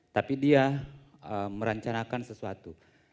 tapi dia merancangkan sesuatu